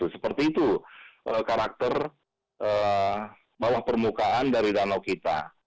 seperti itu karakter bawah permukaan dari danau kita